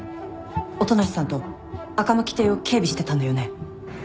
音無さんと赤巻邸を警備してたんだよね？